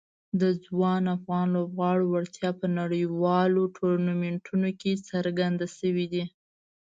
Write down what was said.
د ځوان افغان لوبغاړو وړتیا په نړیوالو ټورنمنټونو کې څرګنده شوې ده.